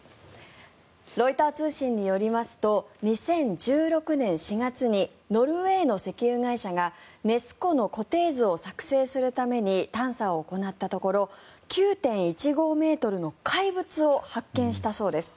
ロイター通信によりますと２０１６年４月にノルウェーの石油会社がネス湖の湖底図を作成するために探査を行ったところ９．１５ｍの怪物を発見したそうです。